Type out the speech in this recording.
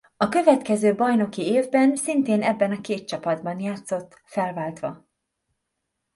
A következő bajnoki évben szintén ebben a két csapatban játszott felváltva.